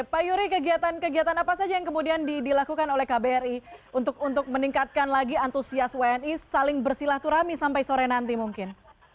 pak yuri kegiatan kegiatan apa saja yang kemudian dilakukan oleh kbri untuk meningkatkan lagi antusias wni saling bersilaturahmi sampai sore nanti mungkin